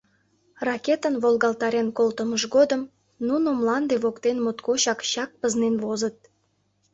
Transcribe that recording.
Ракетын волгалтарен колтымыж годым нуно мланде воктен моткочак чак пызнен возыт.